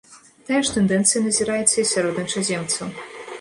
Тая ж тэндэнцыя назіраецца і сярод іншаземцаў.